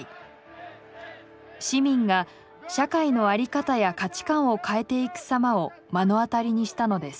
市民が社会の在り方や価値観を変えていくさまを目の当たりにしたのです。